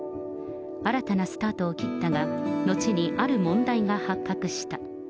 新たなスタートを切ったが、後にある問題が発覚した。